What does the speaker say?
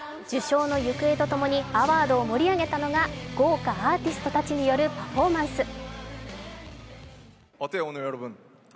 受賞の行方とともに、アワードを盛り上げたのが豪華アーティストたちによるパフォーマンス。